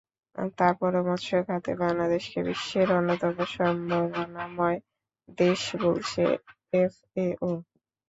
তার পরেও মৎস্য খাতে বাংলাদেশকে বিশ্বের অন্যতম সম্ভাবনাময় দেশ বলছে এফএও।